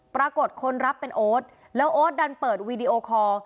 ปรากฏคนรับเป็นโอ๊ตแล้วโอ๊ตดันเปิดวีดีโอคอร์